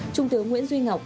trung tướng nguyễn duy ngọc